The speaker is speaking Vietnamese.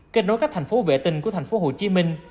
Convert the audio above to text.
kết nối các thành phố vệ tinh của thành phố hồ chí minh